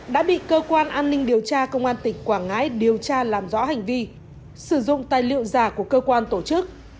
đã bị cơ quan an ninh điều tra công an tỉnh quảng ngãi điều tra làm rõ hành vi sử dụng tài liệu giả của cơ quan tổ chức